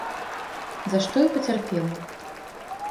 За што і пацярпела.